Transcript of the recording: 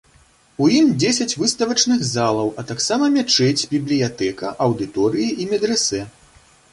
У ім дзесяць выставачных залаў, а таксама мячэць, бібліятэка, аўдыторыі і медрэсэ.